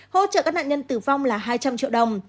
hỗ trợ các nạn nhân tử vong là hai trăm linh triệu đồng